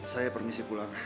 saya permisi pulang